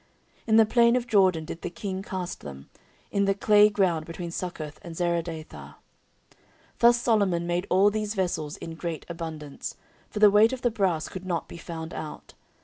14:004:017 In the plain of Jordan did the king cast them, in the clay ground between Succoth and Zeredathah. 14:004:018 Thus Solomon made all these vessels in great abundance: for the weight of the brass could not be found out.